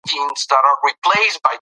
هر څومره چې ډېر غږونه وي.